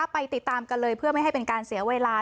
ไปติดตามกันเลยเพื่อไม่ให้เป็นการเสียเวลา